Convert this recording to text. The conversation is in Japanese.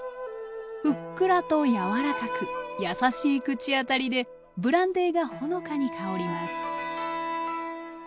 ふっくらと柔らかく優しい口当たりでブランデーがほのかに香ります